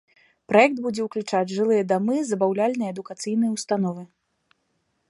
Праект будзе ўключаць жылыя дамы, забаўляльныя і адукацыйныя ўстановы.